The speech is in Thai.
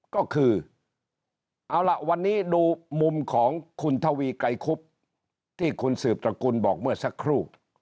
ก็คือเอาล่ะวันนี้ดูมุมของคุณทวีไกรคุบที่คุณสืบตระกุลบอกเมื่อสักครู่